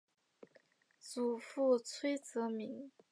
祖父崔则明。